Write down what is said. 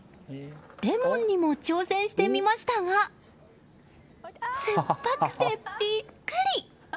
レモンにも挑戦してみましたがすっぱくてビックリ！